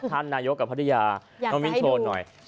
ท่านนายกกับพระเยาะน้องวิทย์โชนหน่อย